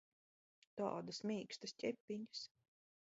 Tādas mīkstas ķepiņas!